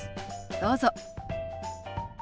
どうぞ。